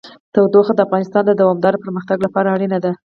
تودوخه د افغانستان د دوامداره پرمختګ لپاره اړین دي.